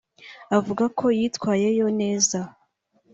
avuga ko yitwayeyo neza